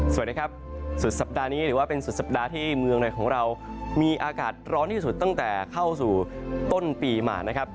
สวัสดีครับสุดสัปดาห์นี้หรือว่าเป็นสุดสัปดาห์ที่เมืองในของเรามีอากาศร้อนที่สุดตั้งแต่เข้าสู่ต้นปีมานะครับ